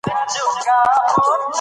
دغه هېوادونه د کم خوراکۍ ستونزه هم لري.